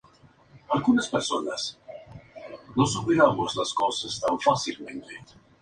Presenta dos claustros, las dependencias conventuales y la Iglesia, esta con su coro.